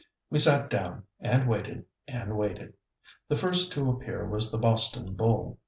We sat down, and waited and waited. The first to appear was the Boston bull.